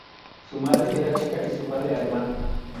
Su madre era checa y su padre alemán.